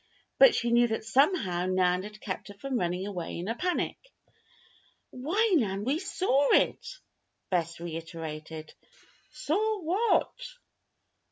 But she knew that somehow Nan had kept her from running away in a panic. "Why, Nan, we saw it!" Bess reiterated. "Saw what?"